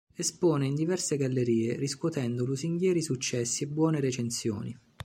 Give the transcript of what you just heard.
Espone in diverse gallerie, riscuotendo lusinghieri successi e buone recensioni.